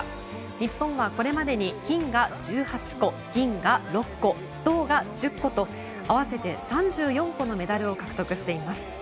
日本はこれまでに金が１８個、銀が６個銅が１０個と合わせて３４個のメダルを獲得しています。